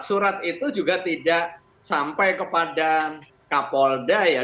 surat itu juga tidak sampai kepada kapolda ya